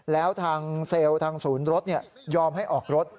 แล้วทางเซลล์ทางศูนย์รถยอมให้ออกรถ